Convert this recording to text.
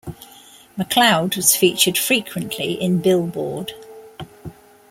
McCloud was featured frequently in "Billboard".